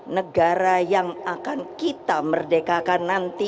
negara yang akan kita merdekakan nanti